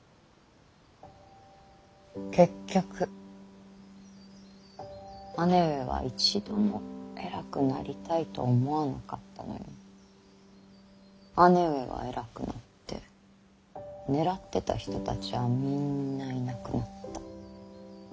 結局姉上は一度も偉くなりたいと思わなかったのに姉上は偉くなって狙ってた人たちはみんないなくなった。